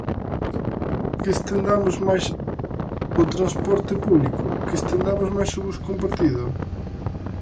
Que estendamos máis o transporte público, que estendamos máis o bus compartido.